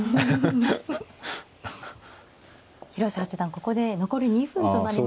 ここで残り２分となりました。